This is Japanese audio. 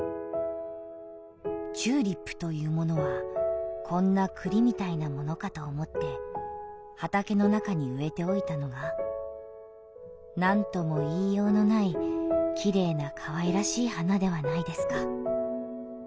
「チューリップというものはこんな栗みたいなものかと思って畑の中に植えておいたのがなんとも言いようのない綺麗な可愛らしい花ではないですか」。